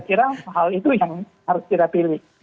saya kira hal itu yang harus kita pilih